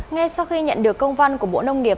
ngay sau khi nhận được công văn của bộ nông nghiệp